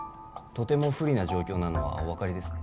とても不利な状況なのはお分かりですね